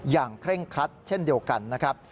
เคร่งครัดเช่นเดียวกันนะครับ